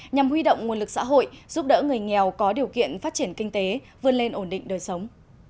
nhằm huy động nguồn lực xã hội giúp đỡ người nghèo có điều kiện phát triển kinh tế vươn lên ổn định đời sống